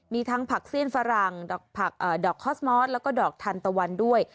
มีทั้งผักเซียนฝรั่งดอกคอสมอสแล้วก็ดอกทันตะวันด้วย